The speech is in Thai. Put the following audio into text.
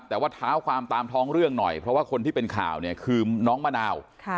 แต่ว่าเท้าความตามท้องเรื่องหน่อยเพราะว่าคนที่เป็นข่าวเนี่ยคือน้องมะนาว